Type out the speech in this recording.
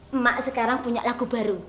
emak sekarang punya lagu baru